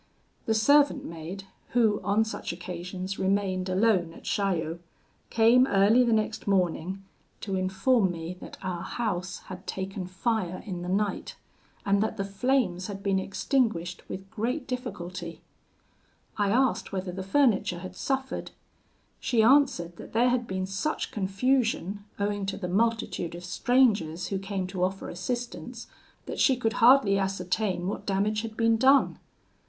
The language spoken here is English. The servant maid who on such occasions remained alone at Chaillot, came early the next morning to inform me that our house had taken fire in the night, and that the flames had been extinguished with great difficulty. I asked whether the furniture had suffered. She answered, that there had been such confusion, owing to the multitude of strangers who came to offer assistance, that she could hardly ascertain what damage had been done.